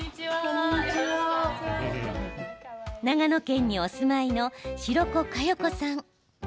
長野県にお住まいの白子香代子さん。